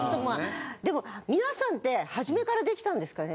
でも皆さんってはじめから出来たんですかね。